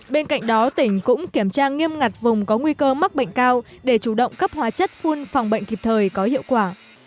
bên cạnh đó tỉnh cũng kiểm tra nghiêm ngặt vùng có nguy cơ mắc bệnh cao để chủ động cấp hóa chất phun phòng bệnh kịp thời có hiệu quả